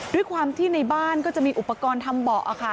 ด้วยความที่ในบ้านก็จะมีอุปกรณ์ทำเบาะค่ะ